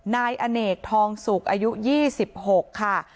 นายอเนกทองสุกอายุ๒๖ค่ะ